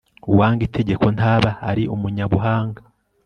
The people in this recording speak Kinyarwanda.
uwanga itegeko ntaba ari umunyabuhanga